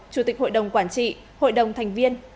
chủ tịch hội đồng quản trị hội đồng thành viên